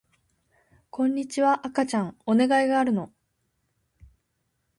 こんにちは赤ちゃんお願いがあるの